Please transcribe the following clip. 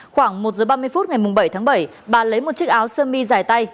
khoảng một giờ ba mươi phút ngày bảy tháng bảy bà lấy một chiếc áo sơ mi dài tay